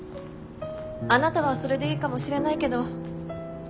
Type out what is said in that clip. あなたはそれでいいかもしれないけど。